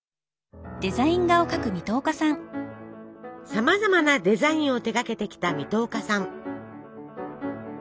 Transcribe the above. さまざまなデザインを手がけてきた水戸岡さん。